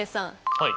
はい。